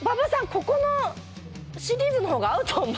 ここのシリーズの方が合うと思う